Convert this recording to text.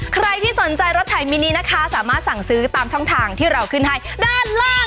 ใครที่สนใจรถไถมินินะคะสามารถสั่งซื้อตามช่องทางที่เราขึ้นให้ด้านล่าง